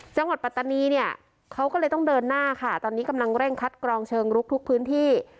ปัตตานีเนี่ยเขาก็เลยต้องเดินหน้าค่ะตอนนี้กำลังเร่งคัดกรองเชิงลุกทุกพื้นที่